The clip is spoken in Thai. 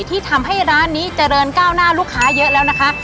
ที่ทำให้ร้านนี้เจริญก้าวหน้าลูกค้าเยอะแล้วนะคะ